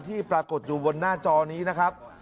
ปรากฏอยู่บนหน้าจอนี้นะครับ